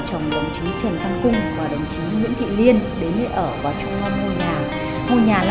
bộ trồng đồng chí trần văn cung và đồng chí nguyễn thị liên đến đây ở và chung ngôn ngôi nhà